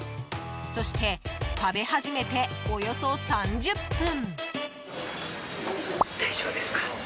そして食べ初めておよそ３０分。